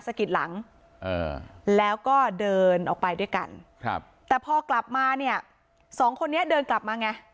กิดหลังแล้วก็เดินออกไปด้วยกันครับแต่พอกลับมาเนี่ยสองคนนี้เดินกลับมาไง